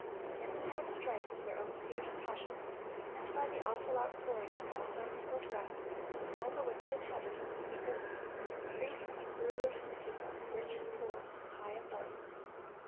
(1139) In the mad strife of their own fierce passions, and by the awful outpouring of God's unmingled wrath, fall the wicked inhabitants of the earth,—priests, rulers, and people, rich and poor, high and low.